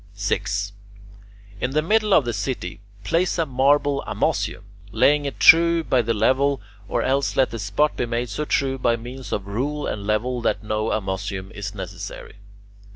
6. In the middle of the city place a marble amussium, laying it true by the level, or else let the spot be made so true by means of rule and level that no amussium is necessary.